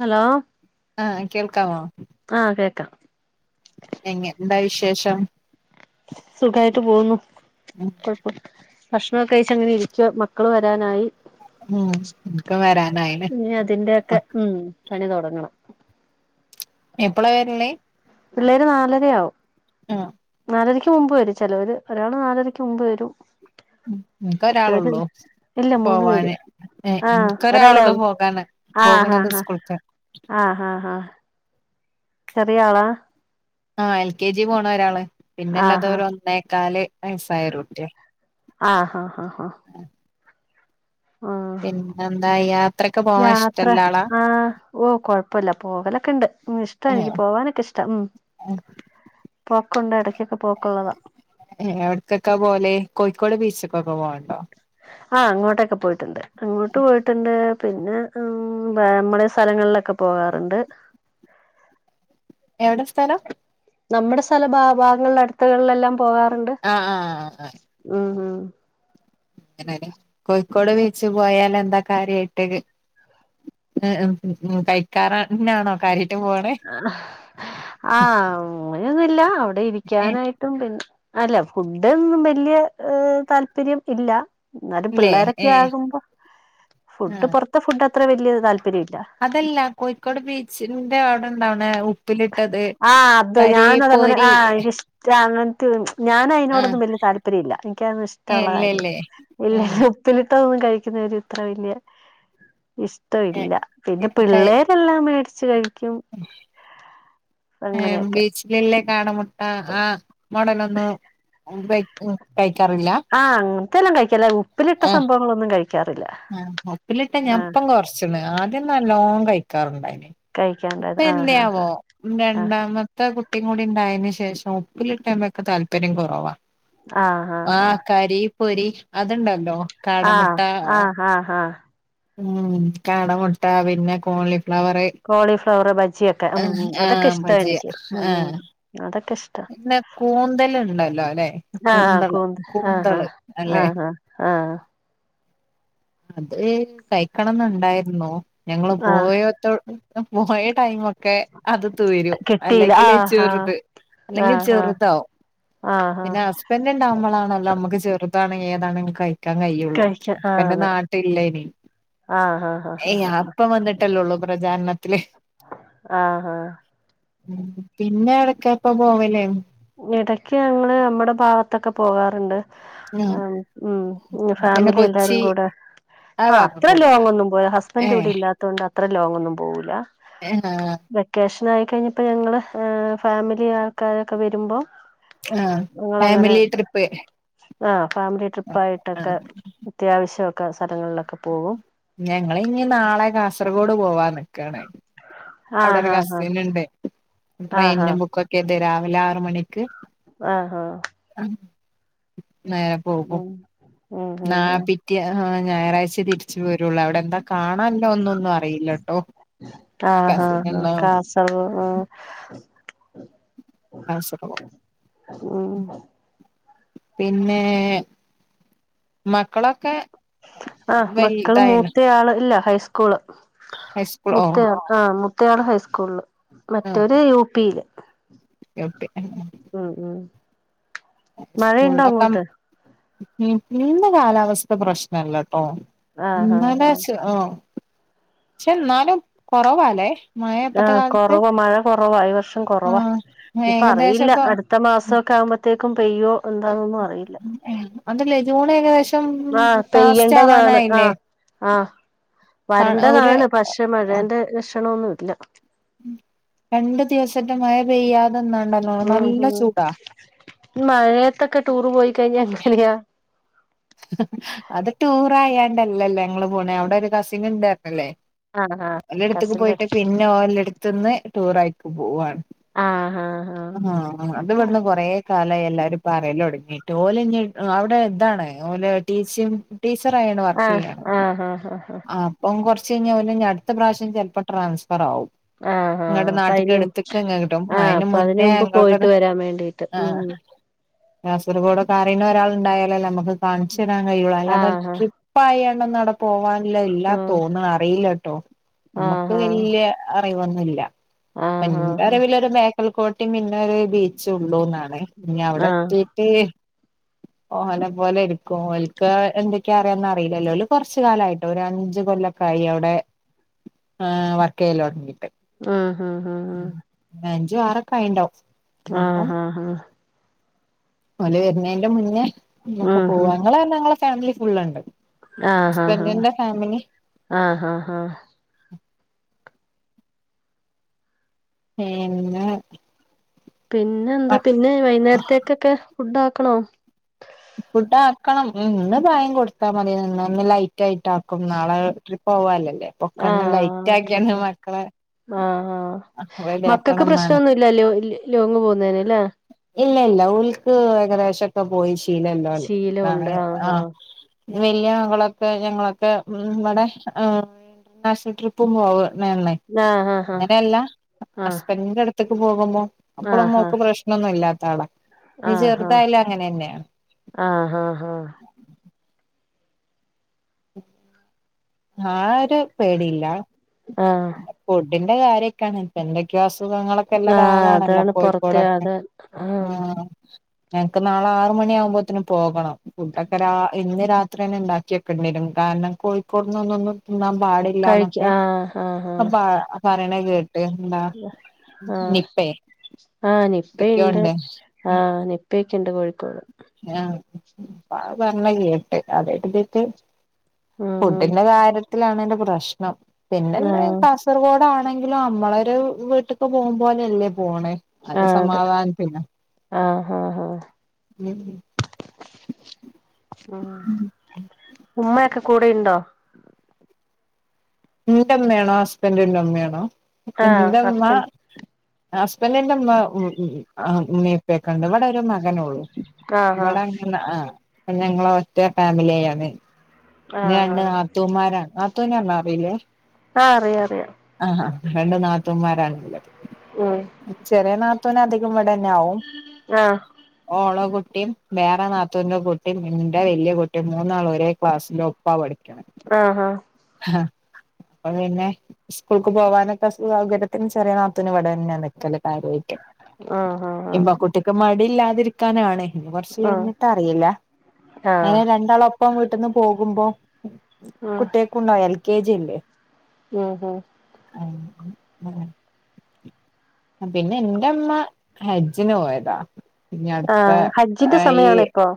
Hello ആഹ് കേൾക്കാമോ ആഹ് കേക്കാം എങ്ങ് ന്താ വിശേഷം സുഖമായിട്ട് പോകുന്നു ഉം കൊഴപ്പം ഭക്ഷണം ഒക്കെ കഴിച്ച് അങ്ങനെ ഇരിക്കുവാ മക്കള് വരാനായി ഉം ഇൻക്ക് വരാനായിണ് ഇനി അതിന്റെയൊക്കെ ആഹ് ഉം പണി തുടങ്ങണം എപ്പളാ വര്ണേ? പിള്ളേര് നാലരയാവും ആഹ് നാലരക്ക് മുമ്പ് വരും ചിലവര് ഒരാള് നാലരക്ക് മുമ്പ് വരും ഇൻക്ക് മറ്റവര് ഒരാളുള്ളൂ ഇല്ല മൂന്ന് പേര് പോവാന് ആഹ് ഇൻക്ക് ഒരാള് ഒരാളെ ഒള്ളൂ പോകാന് ആഹ് ഹാ പോകണത് ഹാ സ്കൂൾക്ക് ആ ആ ഹാ ചെറിയളാ ആഹ് എൽ കെ ജി പോണ ഒരാള് പിന്നെല്ലാത് ആഹ് ഒരു ഒന്നേക്കാല് വയസ്സായോരുട്ടിയ ആഹ് ഹ ഹ പിന്നെന്താ യാത്രോക്കെ യാത്ര ആഹ് ഓ കൊഴപ്പല്ല പോകലൊക്കെണ്ട് ഉം ഇഷ്ട എനിക്ക് ഏഹ് പോവാന്നൊക്കെ ഇഷ്ട ഉം ഏഹ് പോക്കുണ്ട് എടക്കൊക്കെ പോക്കോള്ളതാ എവട്ക്കെക്കെ പോവല് കോഴിക്കോട് ബീച്ചിക്കൊ ആഹ് അങ്ങോട്ടൊക്കെ പോയിട്ടുണ്ട് അങ്ങോട്ട് പോയിട്ടുണ്ട് പിന്നെ നമ്മളെ ഈ സ്ഥലങ്ങളിലൊക്കെ പോകാറുണ്ട് എവടെ സ്ഥലം നമ്മുടെ സ്ഥല ഭാ ഭാഗങ്ങളുടെ അടുത്തുകളിലെല്ലാം പോകാറുണ്ട് ആഹ് ആഹ് ഉം ഉം അങ്ങനെ കോഴിക്കോട് ബീച്ച് പോയാൽ എ ന്താ കാര്യയിട്ട് [unintelligible] കഴിക്കാറന്നണോ കാര്യം ആഹ് അങ്ങനൊന്നുല്ല അവിടെ ഏ ഇരിക്കാനായിട്ടും പിന്നെ അല്ല ഫുഡ് ഒന്നും വല്ല്യ താല്പര്യം ഇല്ല എന്നാലും ഇല്ലേ പിള്ളേരൊക്കെ ഏ ആകുമ്പോ. ആ ഫുഡ് പൊർത്ത ഫുഡ് അത്ര വല്ല്യ താല്പ അതല്ല കോഴിക്കോട് ബീച്ചിന്റെ അവിടെ ഇണ്ടാവണെ ഉ ആഹ് അത് ഞാനതങ്ങനെ പോരി ആഹ് എനിക്കിഷ്ട്ട അങ്ങൻതെ. ഞാൻ ആ അയിനോടൊന്നും വല്ല്യ താല്പര്യ ഇല്ല. എനിക്ക് അതൊന്നും ഇഷ്ട്ടോള്ള കാര്യല്ല. ഇല്ലല്ലേ ഇല്ല ഉപ്പിലി ട്ടതൊന്നും കഴിക്കുന്നത് ഒരു ഇത്ര വല്ല്യ ഇഷ്ടവില്ല. പിന്നെ പിള്ളേരെല്ലാം മേടിച്ചു കഴിക്കും. ഏഹ് അങ്ങനെയൊക്കെ ബീച്ചിലില്ലേ കാട മുട്ട ആഹ് മോഡലൊന്ന് ഉപ ഉം കഴി ആഹ് അങ്ങൻത്തെല്ലാം കഴിക്കും അല്ലതെ ഉപ്പിലിട്ട സംഭവങ്ങളൊന്നും കഴി ആഹ് ഉപ്പിലിട്ട ഞാൻ ഇപ്പം കൊർച്ച്ണ്. ആദ്യം നല്ലോം കഴിക്കാറുണ്ടായിനി. ഇപ്പ കഴിക്കാണ്ടായത് ആഹ് ആഹ് എന്തേയാവോ രണ്ടാമത്തെ കുട് ട്ടിംകൂടി ഉണ്ടായേന് ശേഷം ഉപ്പിലിട്ടേമെക്ക് താല്പര്യം കൊറവാ ആഹ് ഹാ ഹാ പൊരി അത്ണ്ട ആ ആ ആ ആ ഉം കാട മുട്ട പിന്നെ കോളി ഫ്ലവറ് കോളിഫ്ലവർ ബജിയൊക്കെ ഉം ഉം ആ അതൊക്കെ ഇഷ്ടാ ബജി എനിക്ക് ഉം ആ ഉം അതൊക്കെ ഇഷ്ടാ പിന്നെ കൂന്തല് ഉണ്ടല്ലോ അല്ലെ ആ ആ കൂന്തള് കൂന്ത് ആ ആ കൂന്തള് ആ അല്ലെ ആ ആ അത് കഴിക്കണനുണ്ടായിരുന്നു ഞങ്ങള് ആ പോയതോടെ പോയ ടൈം ഒക്കെ അത് തീരും കിട്ടിയില്ല ആ അല്ലെങ്കില് ആ ചെറുത് ആ അല്ലെങ്കിൽ ആ ചെറുതാവും ആ ആ പിന്നെ ഹസ്ബൻഡ് ഇണ്ടാവുമ്പോഴാണല്ലോ നമ്മുക്ക് ചെറു താണെ എതാണ് കഴിക്കാൻ കഴിയുള്ളൂ കഴിക്ക ആ ഹസ്ബൻഡ് അതെ നാട്ടില് ഇല്ല അയിന് ആ ആ ആ ഏയ് അപ്പ വന്നിട്ടല്ലോള്ളൂ പ്രജാരണ ത്തില് ആ ആ ആ പിന്നെ എടക്ക് ഇപ്പ പോവല് ഇടക്ക് ഞങ്ങള് നമ്മടെ ഭാഗത്തൊക്കെ പോകാറുണ്ട് ആ ഉം ഉം പിന്നെ ഫാമിലി എല്ലാരും കൊച്ചി കൂടെ ആ അത്ര ഭാഗൊക്കെ പോയ ലോങ്ങ്‌ ഒന്നും പോവൂല ഏ ഹസ്ബൻഡ് ഇവിടെ ഇല്ലാതോണ്ട അത്ര ലോങ്ങ്‌ ഒന്നും പോവുല ആ വെക്കേഷൻ ആയി കഴിഞ്ഞപ്പോ ഞങ്ങള് ഫാമിലി ആൾക്കാരൊക്കെ വരുമ്പോ ആ ഞങ്ങളങ്ങനെ ഫാമിലി ട്രിപ്പ് ആ ഫാമിലി ട്രിപ്പ് ആ ആയിട്ടൊക്കെ അത്യാവശ്യ ഒക്കെ സ്ഥലങ്ങളിലൊക്കെ പോവും ഞങ്ങള് ഇനി നാളെ കാസർഗോഡ് പോവാൻ നിക്കണ് അവിടെ ഒരു കസിൻ ഉണ്ട് ട്രെയിനും ബുക്കൊക്കെത് രാവിലെ ആറ് മണിക്ക് ആഹഹ നേരെ പോകും നാ പിറ്റിയ ഞായറാഴ്ച തിരിച്ചു പോരുള്ളൂ അവിടെ എന്താ കാണല്ലോ ഒന്നൊന്നും അറിയില്ല കേട്ടോ ആഹ ആഹ് ആഹ കാ സ ആഹ കാ സാ റോ ഉം പിന്നെ മക്കളൊക്കെ ആഹ മക്കള് വലുതായിന് മൂത്ത ആള് ഇല്ല ഹൈസ്കൂള് ഹൈസ്കൂൾ ഓ മുത്തയാ ആ മുത്തയാട് ഹൈസ്കൂള ആഹ് മറ്റര് യു പിയില് ഓക്കെ ഉം ഉം മഴയുണ്ടോ ഹൈസ്കൂളിലൊക്കെ അങ്ങോട്ട് ഇന്ന് കാലാവസ്ഥ പ്രശ്നല്ലട്ടോന്നല്ല ആഹ് ഹാ ഹാ ആ പക്ഷെ എന്നാലും കൊറവാല്ലേ മഴ ഇപ്പത്തെ ആഹ കാലത്ത് കൊറവാ മഴ കുറവാ വർഷം കുറവാ ആഹ് ഇപ്പ ഏകദേശം അറിയില്ല ഇപ്പൊ അടുത്ത മാസംൊക്കെ ആകുമ്പോ ത്തേക്കും പെയ്യോ എന്താന്നൊന്നും അറിയില്ല ൂ ഏകദേം ആഹ പെയ്യേണ്ടതാണ് ആഹ ആഹ ഒരു വരേണ്ടതാണ് പക്ഷെ മഴേന്റെ ലക്ഷണൊന്നുംല്ല രണ്ടു ദിവസത്തെ മഴ പെയ്യാതെന്നാണ്ടല്ലോ ഉം നല്ല ഉം ചൂടാ മഴയത്തൊക്കെ ടൂർ പോയി കഴിഞ്ഞ എങ്ങനെയാ അത് ടൂർ ആായാണ്ടല്ലല്ലോ ഞങ്ങള് പോണ അവിടെ ഒരു കസിൻ ഉണ്ട് അല്ലെ ആഹ് ആഹ് ഓല ടത്തേക്ക് കസിന്റെ പോയിട്ട് പിന്നെ ഓല ടുത്തു നിന്ന് ടൂറായി പോവയാണ് ആഹ് ആഹ് ആ അത്വിടുന്ന് കൊറ കല എല്ലാരും പറയലോ ഒടങ്ങീട്ട് ഓല അവിടെ എന്താണ് ഓല ടീച്ചും ടീച്ചർയാണ് വർക്ക് ചെയ്യാണ് ആഹ് ആഹ് ആഹ് ആഹ് ആഹ് ആ അപ്പ കുറ ചൈഞ്ഞാൽെനി അടു ത്ത പ്രാവശ്യം ചിലപ്പോ ട്രാൻസ്ഫർ ആകും ആഹ് നിങ്ങളടെ ആഹ് അപ്പ നാട്ടന്റെ അയിന് അടുത്തക്കെ ഇങ്ങ കിട്ടും ആഹ് അതിന് അപ്പൊ മുന്നേ മുമ്പ് ഞങ്ങൾക്കത് പോയിട്ട് വരാൻ വേണ്ടീട്ട് ആഹ ഉം കാസർഗോഡോ കറിീന ഒരാൾ ഉണ്ടായാലല്ലോ നമ്മുക്ക് കാണിച്ചിടാൻ കഴിയുള്ളൂ അല്ലാതെ ആഹ് ട്രിപ്പായി പോാനല്ലാ ആഹ് തോന്നും അറിയില്ല കേട്ടോ നമ്മക്ക് ആഹ് വ ആഹ് ന്ന ആഹ് എറിവിില ഒരു മേക്കൽ കോോട്ടയും പിന്നെ ബീച്ച് ഉള്ളൂന്നാണ് ഇനി അവിടെ ആഹ് എത്തിീട്ട് ഓഹനെ പോലെ കോൽക്ക് എന്തൊക്കെയാ അറിയന്ന് അറിയില്ലല്ലോ കൊറച്ച കാലമായിട്ട് ഒരു അഞ്ച് കൊല്ലൊക്കെ ആയി അവിടെ ആഹ് വർക്കൈൽോഓടി ആഹ് ഹഹ് ആഹ് ആഹ ആറൊക്കെയിുണ്ടാവും ആഹ് ആഹ് ആഹ് ഓല വരുന്നേന്റെ മുന്നേ ഒക്കെ പോ ആഹ് ങ്ങളെ ഞങ്ങളെ ഫാമിലി ഫുള്ുണ്ട് ആഹ് ഹഹ് ആഹ് ആഹ് ഹഹ ആഹ് ഏ പിന്നെ എന്താ പിന്നെ വൈകുന്നേരത്തേക്കൊക്കെ ഫുഡ ആക്കണോ ഫുഡ ആക്കണം ഇന്ന് ഭായം കൊടുത്താ മതി നിന്ന് ഒന്ന് ലൈറ്റ് ആയിട്ട ആാക്കും നാളെ ട്രപ്പ പോവാലല്ലേ പൊക്കണ് ലൈറ്റ് ആക്കിയാണ് മക്കളെ ആഹ ആ റെഡി ആക്കണം മക്കൾക്ക് എന്നാണ് പ്രശ്നംൊന്നുമല്ല ലോ ലോങ്ങ് പോുന്നതിന് അല്ലേ ഇല്ല ഇല്ല ഉൽക്ക് ഏകദേശം ഒക്കെ പോയി ശീലല്ലോ ശീലമുണ്ട് നാളെ ആ ആഹ് വലിയ മകളൊക്കെ ഞങ്ങളൊക്കെ ഇമ്മടെ ഇന്റർനാഷണൽ ട്രിപ്പും പോവ് വേണേ ആഹ് അങ്ങനെയല്ല ആഹ് ഹസ്ബൻഡിന്റെ അടുത്തേക്ക് പോകുമ്പോ ആഹ് ആഹ് അപ്പോഴുംമ്മോക്ക് പ്രശ്നം ല്ലാത്തളാ നീ ആഹ് ചെറുതായാലും അങ്ങനെ തന്നെയാണ് ആഹ് ആഹ് ആഹ് ആഹ് ആഹ് ആഹ് ആര് പേടിയില്ല ആഹ അതിന്റെ കാര്യൊക്കെയാണ് എന്തൊക്കെയാ അസുഖങ്ങളൊക്കെ ഉള്ള കാലാണല്ലോ അതാണ് പൊറത്തെ കോഴിക്കോടൊക്കെ അത് ആ ആഹ് ഞങ്ങക്ക് നാളെ ആറു മണി ആകുമ്പോഴത്തേനും പോകണം. ഫുഡൊക്കെ ഇന്ന് രാത്രി തന്നെ ഉണ്ടാക്കി വെക്കേണ്ടി വരും. കാരണം കോഴിക്കോടുന്നൊന്നും തിന്നാൻ കഴിക്ക പാടില്ലാന്നൊക്കെ ആഹ് ആഹ് അപ്പ ആഹ് പറയണ കേട്ട് എന്താ നിപ്പേ ആ എന്തൊക്കെയോ നിപ്പയിണ്ട് ഉണ്ട് ആ നിപ്പയൊക്കെയിണ്ട് കോഴിക്കോട് പ പറണ കേട്ട് ആദ്യായിട്ട് കേക്കേ ഉം ഉം ഫുഡിന്റെ കാര്യ ത്തിലാണ് എന്റെ പ്രശ്നം. പിന്നെ ആഹ് കാസർഗോഡാണ് ങ്കില് നമ്മളൊരു വീട്ടിക്ക് പോകുമ്പോലെയല്ലേ പോണേ അത് ആഹ് അതെ സമാധാനത്തിന ആഹ് ആഹ് ആ ഉമ്മ ഒക്കെ കൂടെയുണ്ടോ? എന്റെമ്മയാണോ ഹസ്ബൻഡിന്റെ ഉമ്മയാണോ ആഹ് എന്റെ ഉമ്മ ഹസ്ബൻഡ് ഹസ്ബൻറിന്റെ ഉമ്മാ ഉമ്മ ഉപ്പെയൊക്കെണ്ട് ഇവിടെ ഒരു മ നെ ഒള്ളൂ. ആഹ് ആഹ് ഇവിടെങ്ങനെ ആ ഞങ്ങളൊറ്റ ഫാമിലിയായാണ് ആഹ് രണ്ട് ആഹ് നാത്തൂന്മാരാണ്. നാത്തൂൻന്ന് പറഞ്ഞാ അറിയില്ലേ ആ അറിയാ അറിയാം. ആഹ രണ്ട് നാത്തൂന്മാരാണ് ഉള്ളത്. ഉം ചെറിയ നാത്തൂനധികം ഇവിടെന്നെ യാവും ആഹ് ഓളെ കു ട്ടിയും വേറെ നാത്തൂന്റെ കുട്ടിയും എന്റെ വല്യ കുട്ടീം മൂന്നാളും ഒരേ ക്ലാസില് ഒപ്പാ പഠി ആഹ അപ്പ പിന്നെ സ്കൂൾക്ക് പോകാനൊക്കെ സൗകര്യത്തിന് ചെറിയ നാത്തൂനും ഇവിടന്നെയാ നിക്കല് കാര്യായി ട്ട് ആഹ് ആഹ് ഇമ്പ കുട്ടിക്ക് മടി മടിയില്ലാതിരിക്കാനാണ്. ഇനി കുറച്ച് ആഹ് കഴിഞ്ഞിട്ട് അറിയില്ല. ആഹ് ആഹ് അങ്ങനെ രണ്ടാളും ഒ പ്പം വീട്ടിന്ന് പോകുമ്പോ ഉം കുട്ടികക്കുണ്ടാവും എൽ കെ ജി അല്ലേ. ഉം ഉം [unintelligible] പിന്നെ എൻറമ്മ ഹജ്ജിന് പോയതാ. ഇനി അടുത്ത ആഹ് ഹജ്ജിന്റെ ഈ സമയാണ് ഇപ്പൊ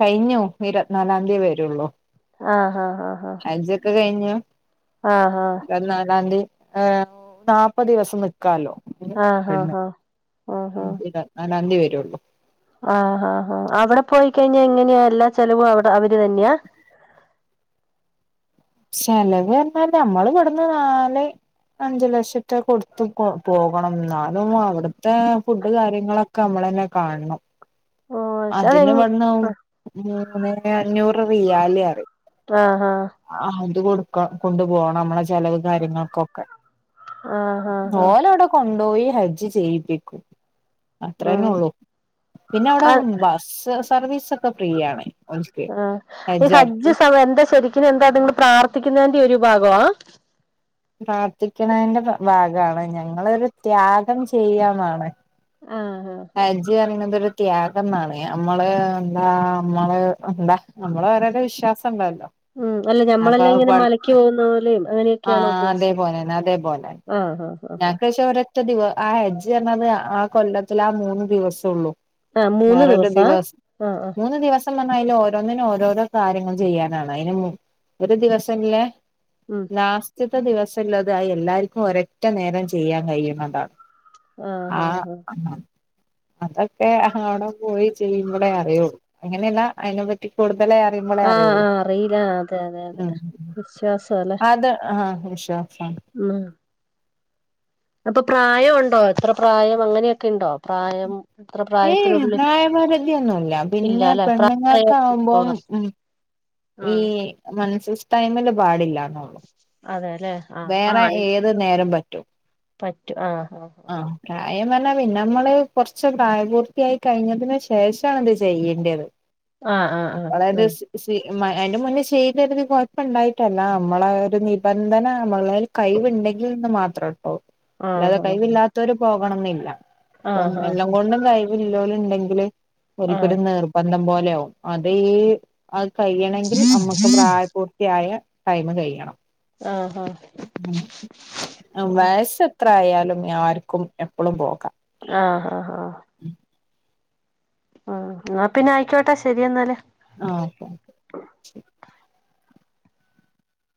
കഴിഞ്ഞു ഇരുപത്തിനാലാം തിയതി വരുള്ളൂ. ആഹ ഹജ്ജൊക്കെ കഴിഞ്ഞു. ആഹ് പതിനാലാംതി. ഏഹ് നാൽപത് ദിവസം നിക്കാലോ. ആഹ് ആഹ് ആഹ് ആഹ് ലാംതി വരുള്ളൂ. ആഹ് ഹാ ഹാ അവിടെ പോയിക്കഴിഞ്ഞാ എങ്ങനെയാ എല്ലാ ചെലവും അവിടെ അവര് ര് തന്ന്യാ? ചെലവ് എന്നാല് നമ്മള് ഇവിടന്ന് നാല് അഞ്ചു ലക്ഷന്റെ കൊടുത്ത് പോകണം. എന്നാലും അവിടുത്തെ ഫുഡ് കാര്യങ്ങളൊക്കെ നമ്മ ളന്നെ കാണണം. ഓഹ് പക്ഷെ അതിന് അതെങ്ങ് വണ്ണം മൂന്നേ അഞ്ഞൂറ് റിയാല് അറിം. ആഹ് ഹാ ആഹ് അത് കൊടുക്ക കൊണ്ടു പോണം നമ്മളെ ചെലവ് കാര്യങ്ങൾക്കൊക്കെ. ആഹ് ഹാ ഹാ പോയി ഹജ്ജ് ചെയ്യിപ്പിക്കും ഉം അത്രേന്നേ ഒള്ളു പിന്നെ ഔടെ അത് ബസ്സ് സർവീസ് ഒക്കെ ഫ്രീ ആണ് ഓൽക്ക് ആഹ് ഈ ഹജ്ജാര്ക്ക്. ഹജ്ജ് സമയം എന്താ ശരിക്നും എന്താ അത് പ്രാർത്ഥിക്ക്ന്നതിന്റെ ഒരു ഭാഗാ? പ്രാർത്ഥിക്കണേൻ്റെ ഭാ ഭാഗാണ് ഞങ്ങളൊരു ത്യാഗം ചെയ്യാന്നാണ് ആഹ് ആഹ് ആഹ് ഹജ്ജ് അറിണതെരു ത്യാഗന്നാണ് അമ്മള് എന്താ അമ്മള് എന്താ അമ്മള് ഓരോരോ വിശ്വാസം. [unintelligible] ഉം അല്ല അപ്പ ഞമ്മളെല്ലാം അഹ് ഇങ്ങനെ പട് മലയ്ക്ക് പോകുന്ന പോലെയും ആ അങ്ങനെയൊക്കെയാണ് ഉദ്ദേശിച്ചത് അതേപോലെന്നെ അതേപോലെന്നെ ആഹ് ആഹ് ആഹ് ഞക്ക് പക്ഷെ ഒരൊറ്റ ദിവ ആ ഹജ്ജ് അർഞ്ഞത് ആഹ് കൊല്ലത്ത്ല് ആ മൂന്ന് ദിവസം ഒള്ളു ആഹ് ആഹ് മൂന്ന് വെറെരു ദിവസാ ദിവസ് ആഹ് ആഹ് മൂന്ന് ദിവസ് സം പർഞാ അയ്ല് ഓരോന്നിനും ഓരോരോ കാര്യങ്ങൾ ചെയ്യാനാണ് അയ്ന് ഒരു ദിവസല്ലെ ഉം ലാസ്റ്റത്തെ ദിവസല്ലത് അയ് എല്ലാർക്കും ഒരെറ്റ നേരം ചെയ്യാൻ കഴിയ്ണതാണ് ആഹ് ആഹ് ആഹ് അതൊക്കെ ഔടെ പോയി ചെയ്യുമ്പളെ അറിയോളളു അങ്ങനെ അല്ല അയ്നെ പറ്റി കൂട് ലെ അറിയുബളെ ആഹ് ആഹ് അറിയോള്ളു ആഹ് അറിയില്ല അതെ അതെ അതെ ഉം വിശ്വാസം അല്ലെ അത് ആഹ് വിശ്വാസ അപ്പ പ്രായം ഉണ്ടോ? എത്ര പ്രായം? അങ്ങനെക്കെ ഇണ്ടോ പ്രായം? അത്ര ഏയ് പ്രായത്തിനുള്ളിൽ പ്രായപരിധിയൊന്നുല്ല ഇല്ല പിന്നെ ല്ലേ പെണ്ണുങ്ങൾക്ക് ആകുമ്പോം [unintelligible] ഉം ഈ മൻസസ് ടൈമില് പാടില്ല അതെ ലെ ആഹ് ആ ഏത് നേരം പറ്റും പറ്റും ആഹ് ആഹ് ആഹ് അയ്ന് പർഞാ പിന്നെ നമ്മള് കൊർച്ച് പ്രായപൂർത്തിയായി കഴിഞ്ഞതിന് ശേഷാണ്ത് ചെയ്യെണ്ട്യത് ആഹ് ആഹ് [unintelligible] കൊഴപ്പുണ്ടായിട്ടല്ല നമ്മള ഒരു നിബന്ധന നമ്മളൽ കൈവി ഇണ്ടെങ്കിൽ ന്ന് മാത്രേള്ള ഓഹ് അല്ലാതെ ആഹ് ആഹ് കഴിവില്ലാത്തവര് പോകണം ന്നില്ല അപ്പം ആഹ് ആഹ് ആഹ് എല്ലാം കൊണ്ടും കൈ കഴിവ് ഉള്ളൂര് ഉണ്ടെങ്കിൽ ഒരിക്കടി നിർബന്ധം പോലെ ആകും അത് ഈ കയ്യണങ്കിൽ നമ്മുക്ക് പ്രായപൂർത്തിയായ ടൈമ് കയ്യണം ആഹ് ആഹ് ആഹ് ആഹ് ആഹ് വയസ്സ് എത്ര ആയാലും ആർക്കും എപ്പളും പോകാം ആഹ് ആഹ് ആഹ് ആഹ് ന്നാ പിന്നെ ആയിക്കോട്ടെ ശരി എന്നാൽ ആഹ്